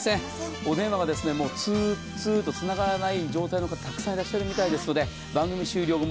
お電話がツーツーとつながらない状態の方、たくさんいらっしゃるみたいなので、番組終了後も